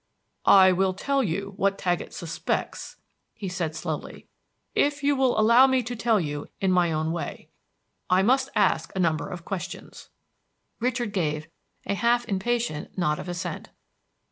"I will tell you what Taggett suspects," he said slowly, "if you will allow me to tell you in my own way. I must ask a number of questions." Richard gave a half impatient nod of assent.